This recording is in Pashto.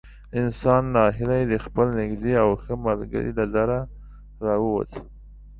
انسان نا هیلی د خپل نږدې او ښه ملګري له دره را ووت.